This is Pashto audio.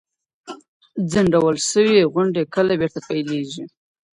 ځنډول سوي غونډي کله بیرته پیلیږي؟